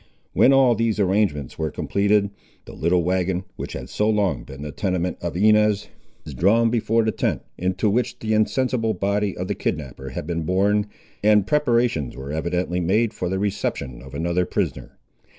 When all these arrangements were completed, the little wagon, which had so long been the tenement of Inez, was drawn before the tent, into which the insensible body of the kidnapper had been borne, and preparations were evidently made for the reception of another prisoner.